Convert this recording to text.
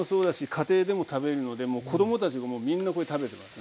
家庭でも食べるので子供たちがみんなこれ食べてますね。